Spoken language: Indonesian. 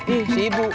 ih si ibu